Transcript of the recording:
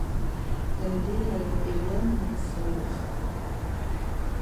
هل لي على الأيام من صريخ